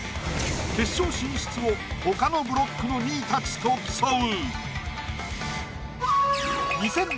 決勝進出をほかのブロックの２位たちと競う。